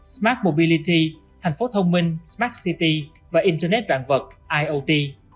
smart mobility thành phố thông minh smart city và internet đoạn vật iot